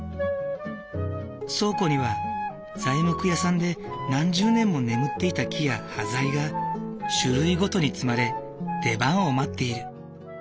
倉庫には材木屋さんで何十年も眠っていた木や端材が種類ごとに積まれ出番を待っている。